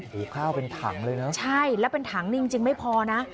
คลุ๊กข้าวเป็นถังใช่และถังนี้จริงไม่พอนะ